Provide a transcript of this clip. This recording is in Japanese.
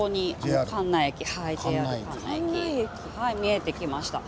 見えてきました。